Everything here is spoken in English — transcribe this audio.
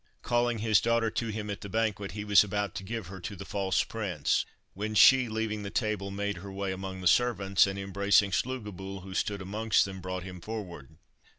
Calling his daughter to him at the banquet, he was about to give her to the false prince, when she, leaving the table, made her way among the servants, and embracing Slugobyl, who stood amongst them, brought him forward.